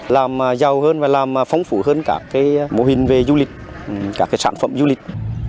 làm giàu hơn và làm phong phú hơn các mô hình về du lịch các sản phẩm du lịch